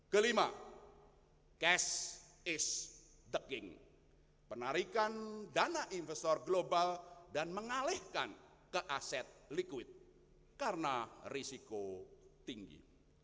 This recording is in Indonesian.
kelima cash is the king penarikan dana investor global dan mengalihkan ke aset liquid karena risiko tinggi